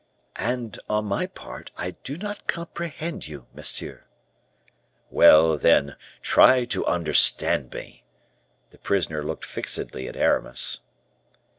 "And, on my part, I do not comprehend you, monsieur." "Well, then, try to understand me." The prisoner looked fixedly at Aramis.